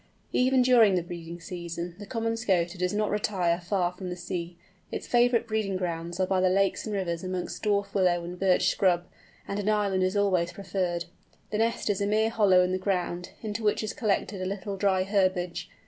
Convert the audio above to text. Even during the breeding season the Common Scoter does not retire far from the sea. Its favourite breeding grounds are by the lakes and rivers amongst dwarf willow and birch scrub, and an island is always preferred. The nest is a mere hollow in the ground, into which is collected a little dry herbage.